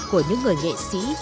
của những người nghệ sĩ